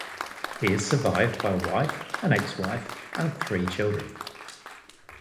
He is survived by a wife, an ex-wife, and three children.